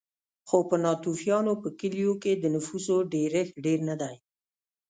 خو په ناتوفیانو په کلیو کې د نفوسو ډېرښت ډېر نه دی